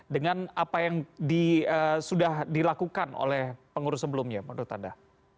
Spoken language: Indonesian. dengan apa yang sudah dilakukan oleh pengurus sebelumnya menurut anda